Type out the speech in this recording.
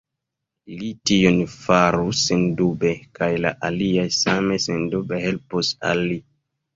Li tion farus sendube, kaj la aliaj same sendube helpus al li.